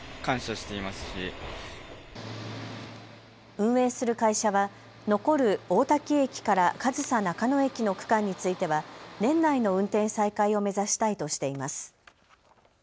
運営する会社は残る大多喜駅から上総中野駅の区間については年内の運転再開を目指したいとしています。